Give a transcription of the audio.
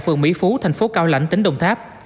phường mỹ phú thành phố cao lãnh tỉnh đồng tháp